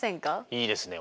いいですね。